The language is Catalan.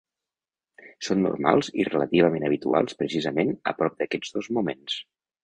Són normals i relativament habituals precisament a prop d'aquests dos moments.